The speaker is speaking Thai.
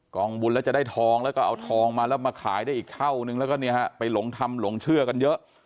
องบุญแล้วจะได้ทองแล้วก็เอาทองมาแล้วมาขายได้อีกเท่านึงแล้วก็เนี่ยฮะไปหลงทำหลงเชื่อกันเยอะ